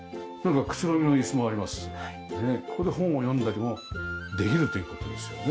ここで本を読んだりもできるという事ですよね。